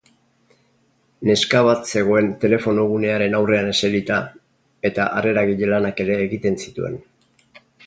Neska bat zegoen telefonogunearen aurrean eserita, eta harreragile lanak ere egiten zituen.